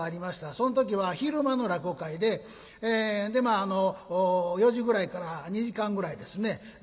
その時は昼間の落語会ででまああの４時ぐらいから２時間ぐらいですね